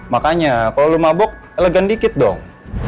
makanya kalau lo mabok elegan dikit dong